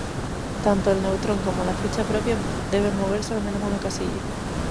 Tanto el Neutrón como la ficha propia deben moverse al menos una casilla.